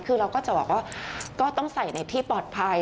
คือเราก็จะบอกว่าก็ต้องใส่ในที่ปลอดภัย